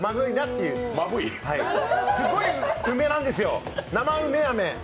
すっごい梅なんですよ、生梅飴。